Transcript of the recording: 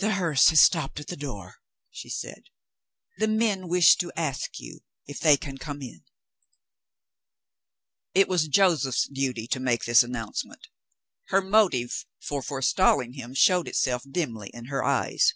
"The hearse has stopped at the door," she said. "The men wish to ask you if they can come in." It was Joseph's duty to make this announcement. Her motive for forestalling him showed itself dimly in her eyes.